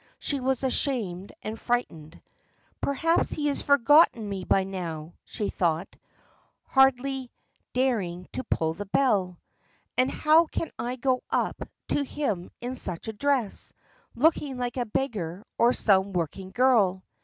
She was ashamed and frightened. "Perhaps he has forgotten me by now," she thought, hardly daring to pull the bell. "And how can I go up to him in such a dress, looking like a beggar or some working girl?"